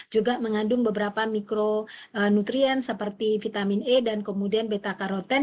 juga mengandung beberapa mikronutrien seperti vitamin e dan kemudian beta karoten